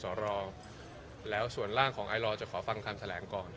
ซึ่งก็เป็น๒๕๖แล้วก็สสรแล้วส่วนร่างของไอรอจะขอฟังคำแสลงก่อน